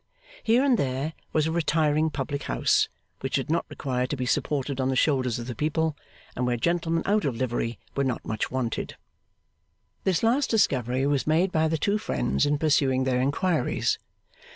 Here and there was a retiring public house which did not require to be supported on the shoulders of the people, and where gentlemen out of livery were not much wanted. This last discovery was made by the two friends in pursuing their inquiries.